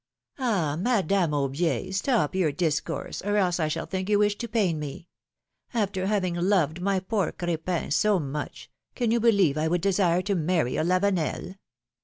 '^Ah ! Madame Aubier, stop your discourse, or else I shall think you wish to pain me ! After having loved my poor Cr6pin so much, can you believe I would desire to marry a Lavenel!